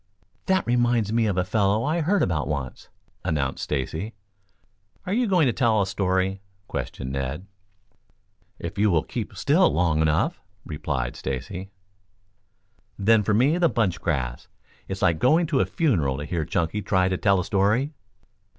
"That reminds me of a fellow I heard about once," announced Stacy. "Are you going to tell a story?" questioned Ned. "If you will keep still long enough," replied Stacy. "Then me for the bunch grass. It's like going to a funeral to hear Chunky try to tell a story."